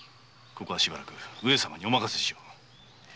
ここはしばらく上様にお任せしよう。